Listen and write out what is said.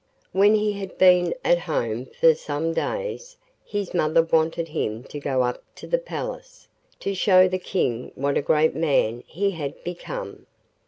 When he had been at home for some days his mother wanted him to go up to the palace, to show the King what a great man he had become.